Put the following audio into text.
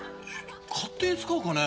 勝手に使うかね